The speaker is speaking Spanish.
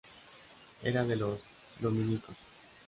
Era de los dominicos.